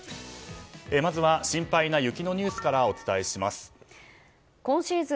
まずは心配な雪のニュースから今シーズン